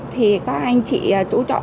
thì các anh chị chủ trọ